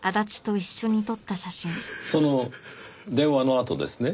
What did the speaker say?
その電話のあとですね？